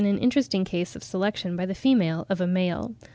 an interesting case of selection by the female of a male.